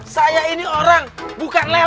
saya ini orang bukan lewat